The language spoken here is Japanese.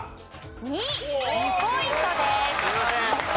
２。２ポイントです。